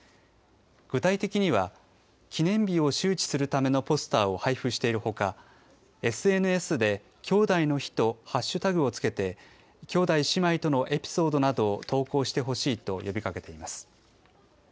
具体的には、記念日を周知するためのポスターを配付しているほか、ＳＮＳできょうだいの日とハッシュタグをつけて、兄弟、姉妹とのエピソードなどを投稿してほしいと呼びかけています。